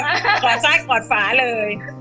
จะก่อนสร้างก่อนฝาเลย